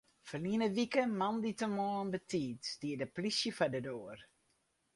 Ferline wike moandeitemoarn betiid stie de plysje foar de doar.